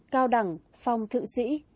cao đẳng phong thượng sĩ